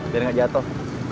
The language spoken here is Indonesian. biar gak jatuh